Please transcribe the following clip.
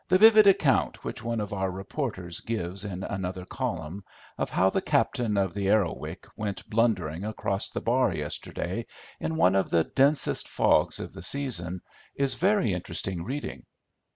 "The vivid account which one of our reporters gives in another column of how the captain of the Arrowic went blundering across the bar yesterday in one of the densest fogs of the season is very interesting reading.